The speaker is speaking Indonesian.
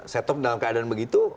setup dalam keadaan begitu